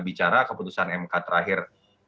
bicara keputusan mk terakhir